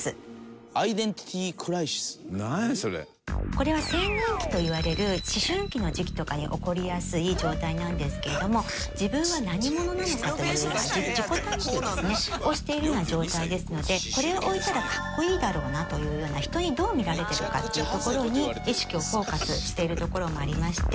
これは青年期といわれる思春期の時期とかに起こりやすい状態なんですけれども自分は何者なのかというような自己探求ですね。をしているような状態ですのでこれを置いたらかっこいいだろうなというような人にどう見られてるかっていうところに意識をフォーカスしているところもありまして。